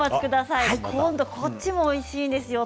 こっちもおいしいですよ。